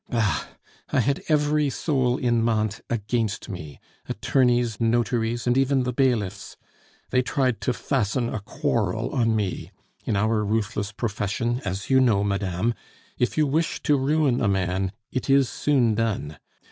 Bah! I had every soul in Mantes against me attorneys, notaries, and even the bailiffs. They tried to fasten a quarrel on me. In our ruthless profession, as you know, madame, if you wish to ruin a man, it is soon done.